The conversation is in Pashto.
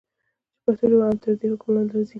چې پښتو ژبه هم تر دي حکم لاندي راځي.